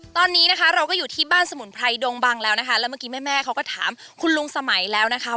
ตอนนี้นะคะเราจะอยู่ที่บ้านสมุนไพรดองบังแล้วแม่เขาก็ถามคุณลุงสไหมแล้วนะคะ